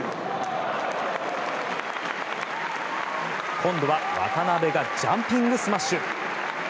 今度は渡辺がジャンピングスマッシュ！